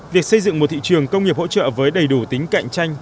việc xây dựng một thị trường công nghiệp hỗ trợ với đầy đủ tính cạnh tranh